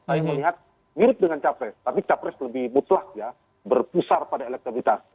saya melihat mirip dengan capres tapi capres lebih mutlak ya berpusar pada elektabilitas